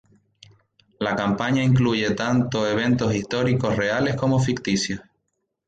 La campaña incluye tanto eventos históricos reales como ficticios.